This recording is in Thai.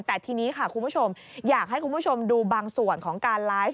แต่ทีนี้ค่ะคุณผู้ชมอยากให้คุณผู้ชมดูบางส่วนของการไลฟ์